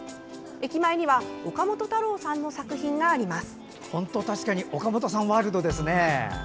駅前には岡本太郎さんの作品があります。